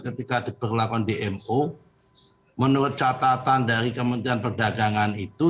ketika diberlakuan dmo menurut catatan dari kementerian perdagangan itu